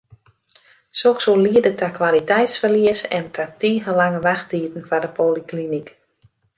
Soks soe liede ta kwaliteitsferlies en ta tige lange wachttiden foar de polyklinyk.